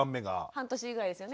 半年ぐらいですよね。